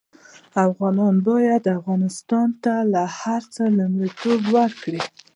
افغانان باید افغانستان ته له هر څه لومړيتوب ورکړي